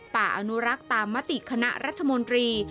ป่าอนุรักษ์ตามมติคณะรัฐมนตรี